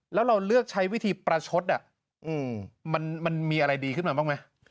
แล้วเราเลือกใช้วิธีประชดมันมีอะไรดีขึ้นมาบ้างไหม